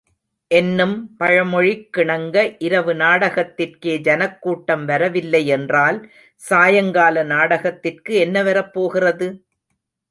என்னும் பழமொழிக்கிணங்க, இரவு நாடகத்திற்கே ஜனக்கூட்டம் வரவில்லையென்றால், சாயங்கால நாடகத்திற்கு என்ன வரப்போகிறது?